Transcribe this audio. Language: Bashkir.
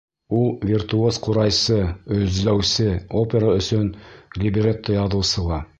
Ул виртуоз ҡурайсы, өзләүсе, опера өсөн либретто яҙыусы ла.